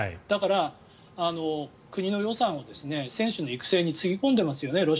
だから、国の予算を選手の育成につぎ込んでいますよね。